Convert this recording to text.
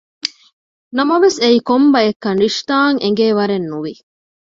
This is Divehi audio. ނަމަވެސް އެއީ ކޮންބައެއްކަން ރިޝްދާއަށް އެނގޭވަރެއް ނުވި